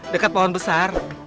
dekat pohon besar